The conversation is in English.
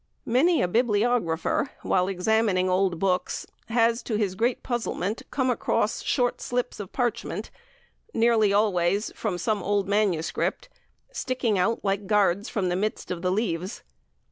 Many a bibliographer, while examining old books, has to his great puzzlement come across short slips of parchment, nearly always from some old manuscript, sticking out like "guards" from the midst of the leaves.